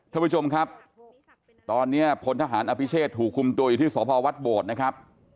ท่านผู้ชมครับตอนนี้พลทหารอภิเชษถูกคุมตัวอยู่ที่สพวัดโบดนะครับ